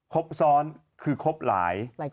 ครบซ้อนคือครบหลาย